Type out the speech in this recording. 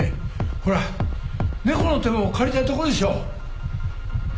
ほら猫の手も借りたいとこでしょ。